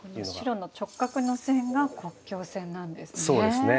白の直角の線が国境線なんですね。